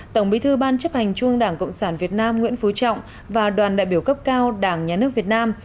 tổng bí thư ban chấp hành trung ương đảng cộng sản việt nam nguyễn phú trọng và đoàn đại biểu cấp cao đảng nhà nước việt nam